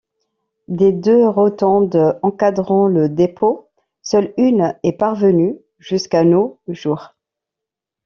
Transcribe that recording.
Des deux rotondes encadrant le dépôt, seule une est parvenue jusqu'à nos jours.